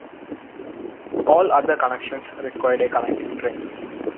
All other connections required a connecting train.